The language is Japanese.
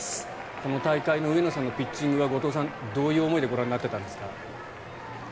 この大会の上野さんのピッチングは後藤さん、どういう思いでご覧になっていたんですか？